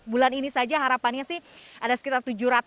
bulan ini saja harapannya sih ada sekitar